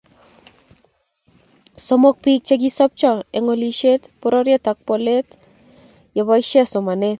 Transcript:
Somok, biik che kisopcho eng olisiet, bororiet ak bolatet ye boisie somanet